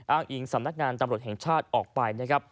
อ้างอิงสำนักงานตำรวจแห่งชาติออกไปนะครับ